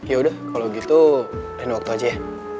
yaudah kalau gitu lain waktu aja ya